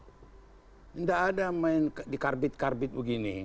tidak ada main di karbit karbit begini